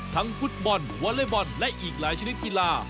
ฟุตบอลวอเล็กบอลและอีกหลายชนิดกีฬา